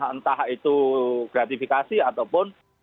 entah itu gratifikasi ataupun